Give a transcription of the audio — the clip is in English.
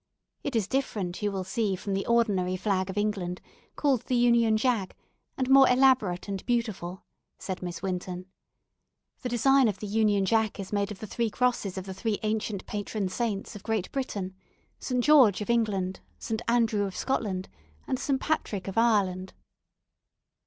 It is different, you will see, from the ordinary flag of England, called the 'Union Jack,' and more elaborate and beautiful," said Miss Winton. "The design of the 'Union Jack' is made of the three crosses of the three ancient patron saints of Great Britain, St. George of England, St. Andrew of Scotland, and St. Patrick of Ireland."